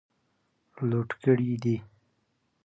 لوټ کړي دي.